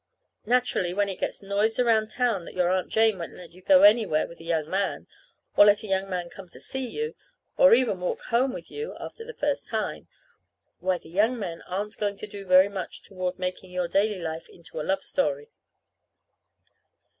Naturally, when it gets noised around town that your Aunt Jane won't let you go anywhere with a young man, or let a young man come to see you, or even walk home with you after the first time why, the young men aren't going to do very much toward making your daily life into a love story.